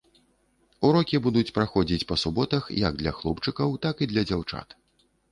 Урокі будуць праходзіць па суботах як для хлопчыкаў, так і для дзяўчат.